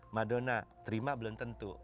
madonna terima belum tentu